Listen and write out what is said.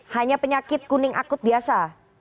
hanya penyakit kuning akut biasa